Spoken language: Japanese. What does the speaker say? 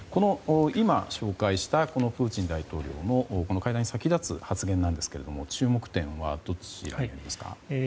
今、紹介したプーチン大統領の会談に先立つ発言なんですが注目点はどちらですか。